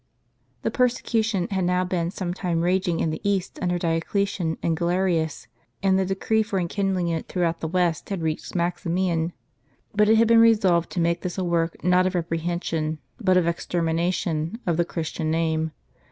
I HE persecution had now been some time rag ing in the East under Dioclesian and Gale rius; and the decree for enkindling it throughout the West, had reached Maximian. But it had been resolved to make this a work, not of repression, but of extermination, of the Christian name.